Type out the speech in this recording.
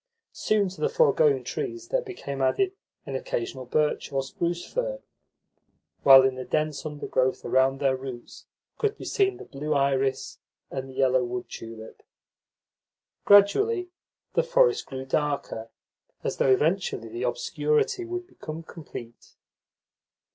Soon to the foregoing trees there became added an occasional birch or spruce fir, while in the dense undergrowth around their roots could be seen the blue iris and the yellow wood tulip. Gradually the forest grew darker, as though eventually the obscurity would become complete.